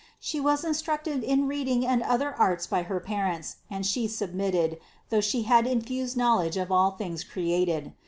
She was instructed in reading and other arts by her parents and She submitted, though She had infused knowledge of all things created.